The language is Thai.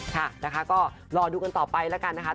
ค่ะนะคะก็รอดูกันต่อไปแล้วกันนะคะ